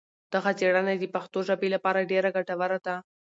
دغه څېړنه د پښتو ژبې لپاره ډېره ګټوره ده.